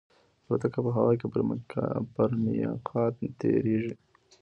الوتکه په هوا کې پر میقات تېرېږي.